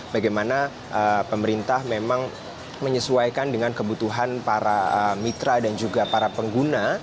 bagaimana pemerintah memang menyesuaikan dengan kebutuhan para mitra dan juga para pengguna